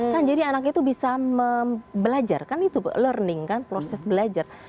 kan jadi anak itu bisa belajar kan itu learning kan proses belajar